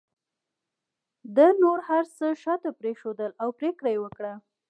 ده نور هر څه شاته پرېښودل او پرېکړه یې وکړه